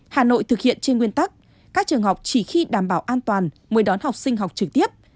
hà nội thực hiện trên nguyên tắc các trường học chỉ khi đảm bảo an toàn mới đón học sinh học trực tiếp